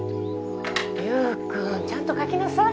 リュウ君ちゃんと書きなさい。